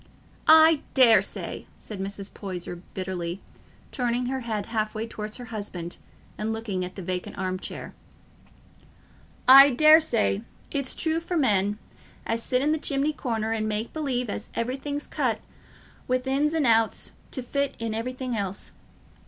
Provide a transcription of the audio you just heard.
"I daresay," said Mrs. Poyser bitterly, turning her head half way towards her husband and looking at the vacant arm chair—"I daresay it's true for men as sit i' th' chimney corner and make believe as everything's cut wi' ins an' outs to fit int' everything else.